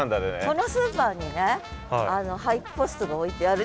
このスーパーにね俳句ポストが置いてある。